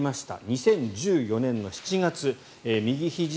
２０１４年の７月右ひじ